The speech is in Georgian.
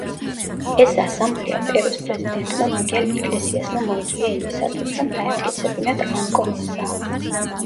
ეს ასამბლეა პერუს პრეზიდენტმა მიგელ იგლესიასმა მოიწვია იმისათვის, რომ დაემტკიცებინათ ანკონის ზავი.